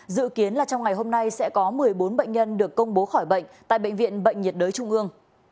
dự kiến là trong ngày hôm nay sẽ có một mươi bốn bệnh nhân được công bố khỏi bệnh tại bệnh viện bệnh nhiệt đới trung ương